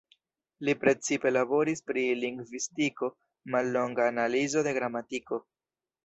Li precipe laboris pri lingvistiko, "Mallonga analizo de gramatiko.